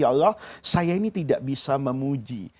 ya allah saya ini tidak bisa memuji